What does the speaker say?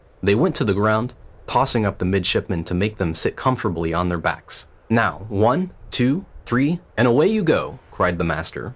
They went to the ground, tossing up the midshipmen to make them sit comfortably on their backs. "Now one, two, three, and away you go!" cried the master.